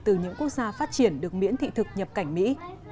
từ những quốc gia phát triển được miễn thị thực nhập cảnh mỹ